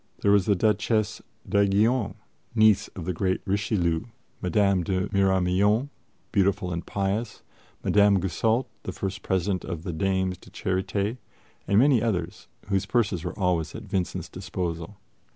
There was the Duchesse d'Aiguillon, niece of the great Richelieu; Madame de Miramion, beautiful and pious; Madame Goussault, the first President of the Dames de Charité; and many others, whose purses were always at Vincent's disposal.